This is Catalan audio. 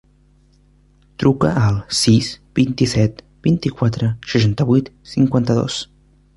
Truca al sis, vint-i-set, vint-i-quatre, seixanta-vuit, cinquanta-dos.